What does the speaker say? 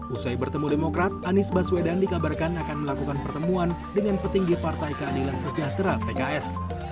usai bertemu demokrat anies baswedan dikabarkan akan melakukan pertemuan dengan petinggi partai keadilan sejahtera pks